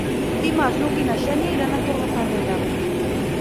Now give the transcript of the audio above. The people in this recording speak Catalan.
Dimarts n'Hug i na Xènia iran a Torrefarrera.